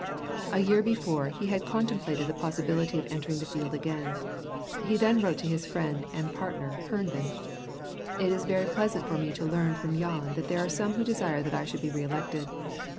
A year before he had contemplated the possibility of entering the field again. He then wrote to his friend and partner Herndon: "It is very pleasant for me to learn from yon that there are some who desire that I should be reelected.